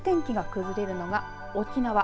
あす、天気が崩れるのが沖縄。